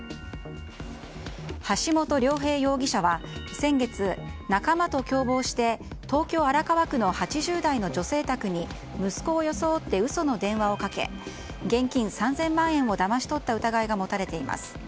橋本亮平容疑者は先月仲間と共謀して東京・荒川区の８０代の女性宅に息子を装って嘘の電話をかけ現金３０００万円をだまし取った疑いが持たれています。